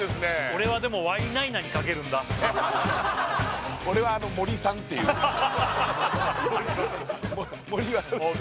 俺はでもワイナイナにかけるんだ俺は森さんっていう森渉さん